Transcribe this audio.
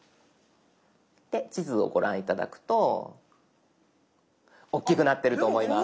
で地図をご覧頂くと大きくなってると思います。